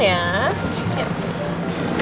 ternyata tasik dengan baik lgbt